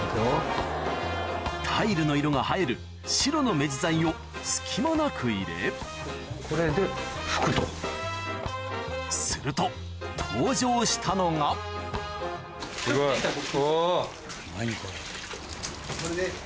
タイルの色が映える白の目地剤を隙間なく入れすると登場したのがすごいお。